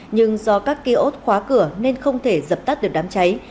nhưng do các kia ốt khóa cửa nên không thể dập tắt được đám cháy